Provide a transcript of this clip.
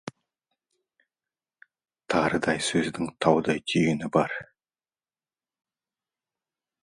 Тарыдай сөздің таудай түйіні бар.